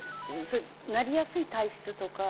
それなりやすい体質とか。